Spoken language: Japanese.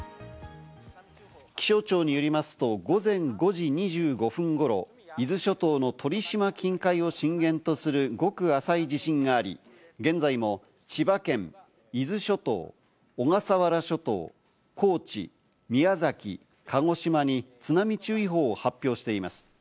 気象庁によりますと午前５時２５分ごろ、伊豆諸島の鳥島近海を震源とする、ごく浅い地震があり、現在も千葉県、伊豆諸島、小笠原諸島、高知、宮崎、鹿児島に津波注意報を発表しています。